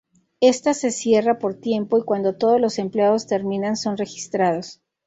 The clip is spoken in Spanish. Está se cierra por tiempo y cuando todos los empleados terminan son registrados.